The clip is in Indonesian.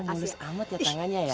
kau nyemis amat ya tangannya ya